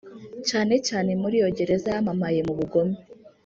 cyane cyane muri iyo gereza yamamaye mu bugome